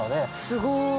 すごい。